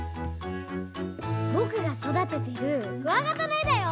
ぼくがそだててるクワガタのえだよ！